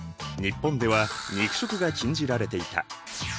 日本では肉食が禁じられていた。